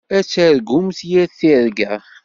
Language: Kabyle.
Ad targumt yir tirga.